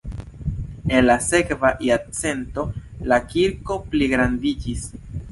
En la sekva jarcento la kirko pligrandiĝis.